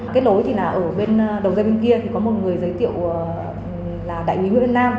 kết lối thì là ở bên đầu dây bên kia thì có một người giới thiệu là đại quý nguyễn văn nam